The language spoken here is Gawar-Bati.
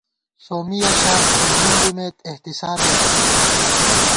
سومّی یَہ شان کھُر مِنڈ بِمېت احتِسابے اختہ تھنَئیت